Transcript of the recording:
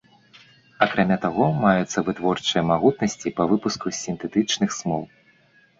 Акрамя таго, маюцца вытворчыя магутнасці па выпуску сінтэтычных смол.